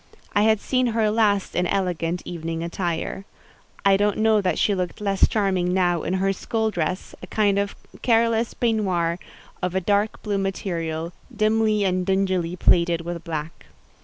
I had seen her last in elegant evening attire. I don't know that she looked less charming now in her school dress, a kind of careless peignoir of a dark blue material, dimly and dingily plaided with black.